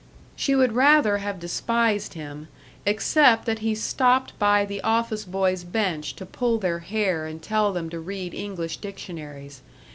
She would rather have despised him, except that he stopped by the office boys' bench to pull their hair and tell them to read English dictionaries.